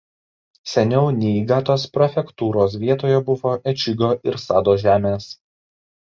Seniau Nijigatos prefektūros vietoje buvo Ečigo ir Sado žemės.